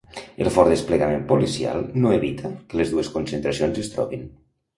El fort desplegament policial no evita que les dues concentracions es trobin.